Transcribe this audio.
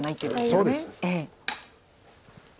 そうです。